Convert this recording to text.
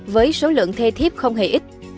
với số lượng thê thiếp không hề ít